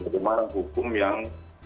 sebuah hukum yang